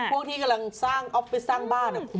พวกที่กำลังไปสร้างบ้าน